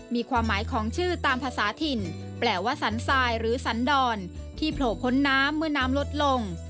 มีความหมายของชื่อตามภาษาถิ่นแปลว่าสันทรายหรือสันดรที่โผล่พ้นน้ำเมื่อน้ำลดลง